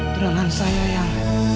terengan saya yang